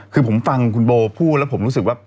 คือผมฟังคุณโบพูดแล้วผมรู้สึกว่า